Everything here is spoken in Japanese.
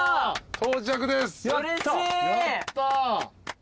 到着です。